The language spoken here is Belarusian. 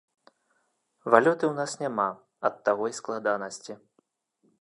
Валюты ў нас няма, ад таго і складанасці.